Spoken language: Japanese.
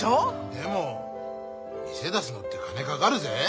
でも店出すのって金かかるぜ。